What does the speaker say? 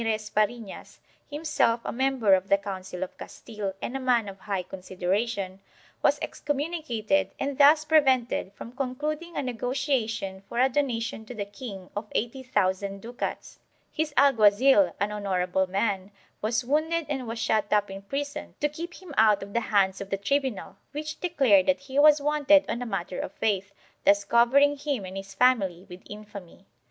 IV] CASTILE 489 Farinas, himself a member of the Council of Castile and a man of high consideration, was excommunicated and thus prevented from concluding a negotiation for a donation to the king of eighty thousand ducats; his alguazil, an honorable man, was wounded and was shut up in prison to keep him out of the hands of the tribunal, which declared that he was wanted on a matter of faith, thus covering him and his family with infamy.